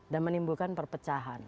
dan menimbulkan perpecahan